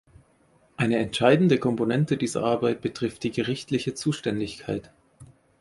Eine entscheidende Komponente dieser Arbeit betrifft die gerichtliche Zuständigkeit.